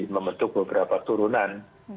membentuk beberapa turunan